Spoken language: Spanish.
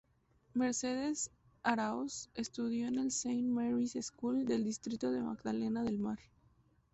Mercedes Araoz estudió en el Saint Mary's School del distrito de Magdalena del Mar.